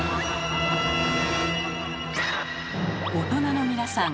大人の皆さん。